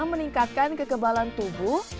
meningkatkan kegebalan tubuh